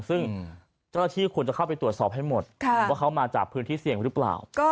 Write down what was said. ซึ่งเจ้าหน้าที่ควรจะเข้าไปตรวจสอบให้หมดว่าเขามาจากพื้นที่เสี่ยงหรือเปล่า